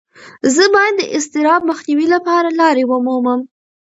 زه باید د اضطراب مخنیوي لپاره لارې ومومم.